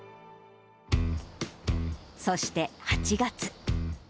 そして８月。